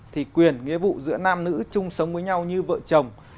thì quyền nghĩa vụ giữa nam nữ chung sống với nhau như vợ chồng